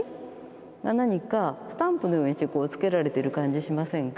何かスタンプのようにしてつけられてる感じしませんか？